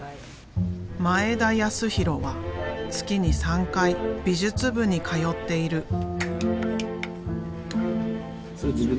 前田泰宏は月に３回美術部に通っている。